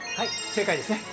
正解ですね。